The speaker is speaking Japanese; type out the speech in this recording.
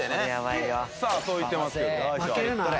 さあそう言ってますけど。